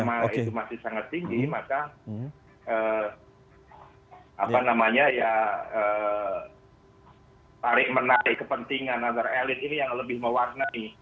karena kalau itu masih sangat tinggi maka tarik menarik kepentingan antara eloiden ini yang lebih mewarnai